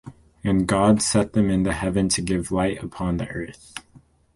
And God set them in the heaven to give light upon the earth